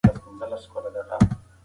ځیني مورخین د هغه پلار شاه عالم بولي.